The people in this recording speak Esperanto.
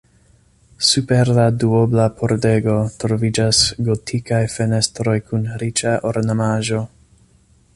Super la duobla pordego troviĝas gotikaj fenestroj kun riĉa ornamaĵo.